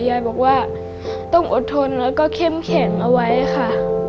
ยายบอกว่าต้องอดทนแล้วก็เข้มแข็งเอาไว้ค่ะ